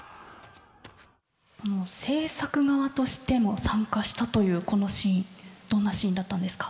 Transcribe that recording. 制作側としても参加したというこのシーンどんなシーンだったんですか？